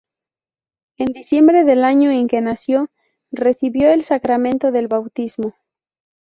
En diciembre del año en que nació, recibió el sacramento del Bautismo.